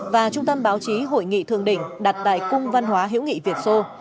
và trung tâm báo chí hội nghị thượng đỉnh đặt tại cung văn hóa hiễu nghị việt xô